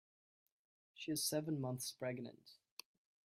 She is seven months pregnant.